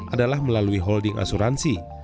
adalah melalui holding asuransi